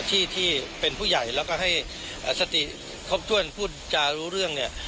ที่เป็นผู้ใหญ่แล้วก็ให้สติครบถ้วนพูดจารู้เรื่องเนี่ย